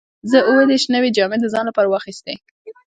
زه اووه دیرش نوې جامې د ځان لپاره واخیستې.